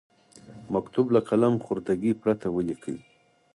مکتوب له قلم خوردګۍ پرته ولیکئ.